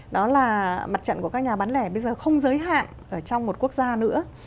đó là mặt trận của các nhà bán lẻ bây giờ không giới hạn ở trong một quốc gia nữa